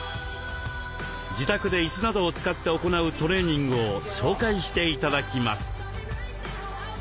自宅でいすなどを使って行うトレーニングを紹介して頂きます。